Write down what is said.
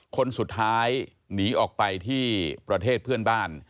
คนสุดท้ายหนีออกไปที่ประเทศเพื่อนบ้าน